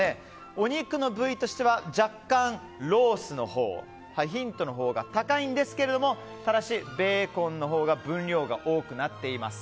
お肉の部位としては若干ロースのほうヒントのほうが高いんですがただしベーコンのほうが分量が多くなっています。